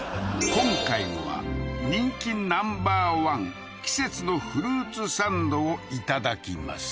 今回は人気ナンバー１季節のフルーツサンドをいただきます